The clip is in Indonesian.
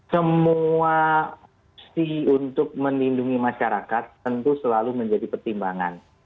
semua opsi untuk melindungi masyarakat tentu selalu menjadi pertimbangan